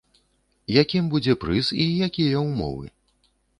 Якім будзе прыз і якія ўмовы?